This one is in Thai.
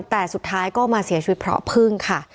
แต่สุดท้ายก็มาเสียชีวิตเพราะพึ่งค่ะ